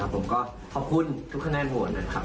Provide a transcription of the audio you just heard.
ผมก็ขอบคุณทุกคะแนนโหวตนะครับ